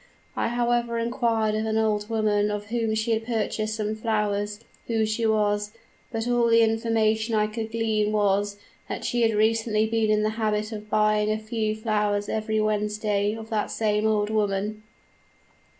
I however inquired of an old woman of whom she had purchased some flowers, who she was; but all the information I could glean was, that she had recently been in the habit of buying a few flowers every Wednesday of that same old woman.